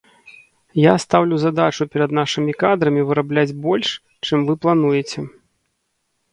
Я стаўлю задачу перад нашымі кадрамі вырабляць больш, чым вы плануеце.